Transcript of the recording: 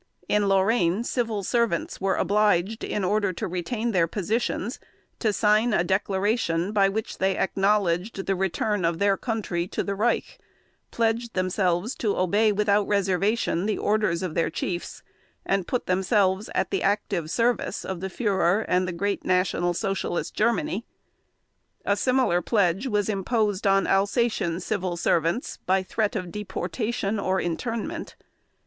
In Lorraine, civil servants were obliged, in order to retain their positions, to sign a declaration by which they acknowledged the "return of their country to the Reich", pledged themselves to obey without reservation the orders of their chiefs and put themselves "at the active service of the Führer and the Great National Socialist Germany". A similar pledge was imposed on Alsatian civil servants by threat of deportation or internment.